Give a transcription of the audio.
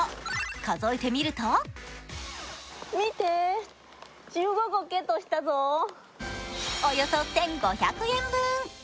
数えてみるとおよそ１５００円分。